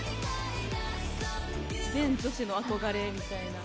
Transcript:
全女子の憧れみたいな。